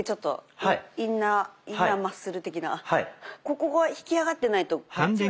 ここが引き上がってないとこっちがね